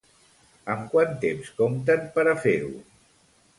Amb quant temps compten per a fer-ho?